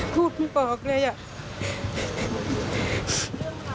พูดไม่ออกเลยอ่ะ